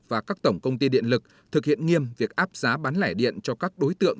và các tổng công ty điện lực thực hiện nghiêm việc áp giá bán lẻ điện cho các đối tượng